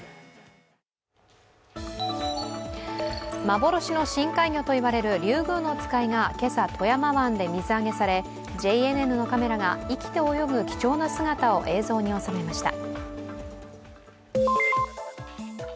幻の深海魚と言われるリュウグウノツカイが今朝、富山湾で水揚げされ、ＪＮＮのカメラが生きて泳ぐ貴重な姿を映像に収めました。